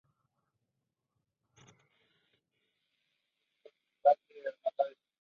Casi pegando a la plaza se ubica el Círculo Católico, hermandad de hermandades.